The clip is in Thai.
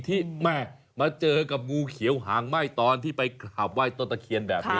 ที่แม่มาเจอกับงูเขียวหางไหม้ตอนที่ไปกราบไห้ต้นตะเคียนแบบนี้